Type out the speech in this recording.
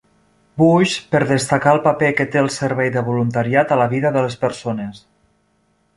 Bush per destacar el paper que té el servei de voluntariat a la vida de les persones.